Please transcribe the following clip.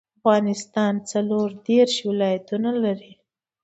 افغانستان څلور ديرش ولايتونه لري.